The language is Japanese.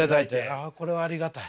あこれはありがたい。